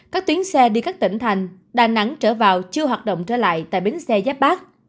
các tuyến xe đi các tỉnh thành đà nẵng trở vào chưa hoạt động trở lại tại bến xe giáp bát